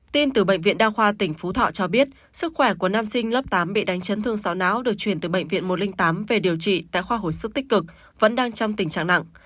tin từ bệnh viện đa khoa tỉnh phú thọ cho biết sức khỏe của nam sinh lớp tám bị đánh chấn thương sáo não được chuyển từ bệnh viện một trăm linh tám về điều trị tại khoa hồi sức tích cực vẫn đang trong tình trạng nặng